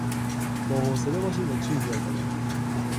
با حوصله باشید و چیز یاد بگیرید.